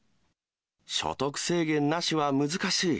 所得制限なしは難しい。